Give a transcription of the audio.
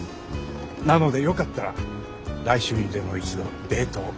なのでよかったら来週にでも一度デートを。